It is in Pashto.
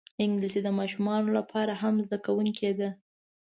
انګلیسي د ماشومانو لپاره هم زده کېدونکی ده